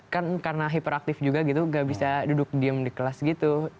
kan karena hiperaktif juga gitu gak bisa duduk diem di kelas gitu